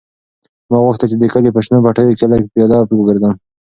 ما غوښتل چې د کلي په شنو پټیو کې لږ پیاده وګرځم.